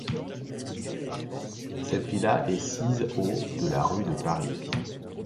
Cette villa est sise au de la rue de Paris.